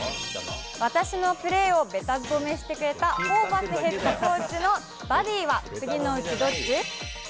私のプレーをべた褒めしてくれたホーバスヘッドコーチのバディは次のうちどっち？